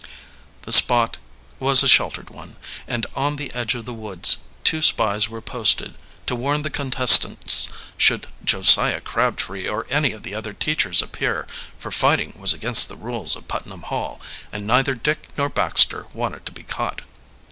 The spot was a sheltered one, and on the edge of the woods two spies were posted, to warn the contestants should Josiah Crabtree or any of the other teachers appear, for fighting was against the rules of Putnam Hall, and neither Dick nor Baxter wanted to be caught.